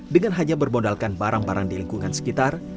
dengan hanya bermodalkan barang barang di lingkungan sekitar